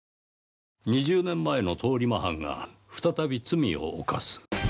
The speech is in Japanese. ２０年前の通り魔犯が再び罪を犯す。